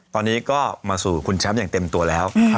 ตอนนี้ก็มาสู่คุณแชมป์อย่างเต็มตัวแล้ว